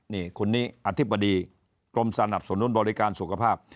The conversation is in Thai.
นี่คนนี้อธิบดีกรมสนับสนุนบริการสุขภาพ